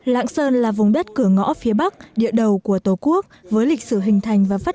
lạng sơn là vùng đất cửa ngõ phía bắc địa đầu của tổ quốc với lịch sử hình thành và phát